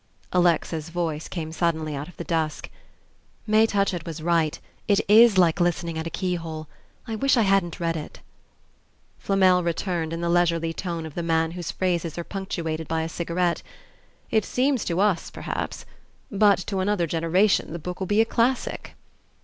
Alexa's voice came suddenly out of the dusk. "May Touchett was right it IS like listening at a key hole. I wish I hadn't read it!" Flamel returned, in the leisurely tone of the man whose phrases are punctuated by a cigarette, "It seems so to us, perhaps; but to another generation the book will be a classic."